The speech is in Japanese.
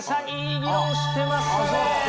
いい議論してますね。